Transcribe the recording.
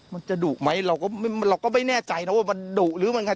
มันจะดุไหมเราก็ไม่แน่ใจนะว่ามันดุหรือไม่แน่ใจ